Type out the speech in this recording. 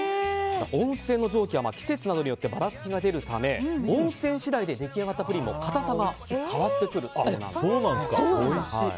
温泉の蒸気は季節によってばらつきが出るため温泉次第で出来上がったプリンも固さが変わってくるそうなんです。